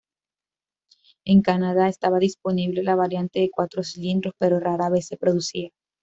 En Canadá, estaba disponible la variante de cuatro cilindros, pero rara vez se producía.